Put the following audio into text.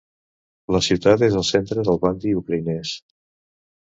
La ciutat és el centre del bandy ucraïnès.